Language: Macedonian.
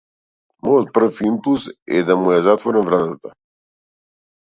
Мојот прв имплус е да му ја затворам вратата.